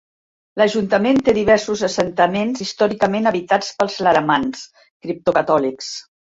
L"ajuntament té diversos assentaments històricament habitats pels Laramans, cripto-catòlics.